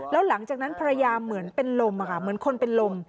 แล้วหลังจากนั้นภรรยาเหมือนเป็นลมเหมือนคนเป็นลม